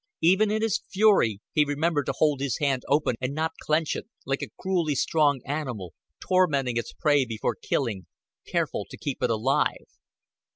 Even in his fury, he remembered to hold his hand open and not clench it like a cruelly strong animal, tormenting its prey before killing, careful to keep it alive.